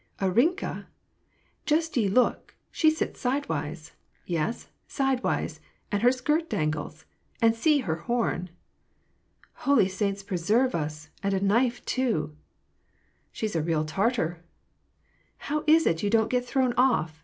"Arinka, just ye look; she sits sidewise! Yes, sidewise; and her skirt dangles ! And see her horn !"" Holy saints preserve us ! and a knife too !"" She's a real tatar !"" How is it, you do not get thrown off